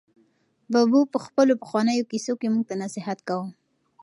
ببو په خپلو پخوانیو کیسو کې موږ ته نصیحت کاوه.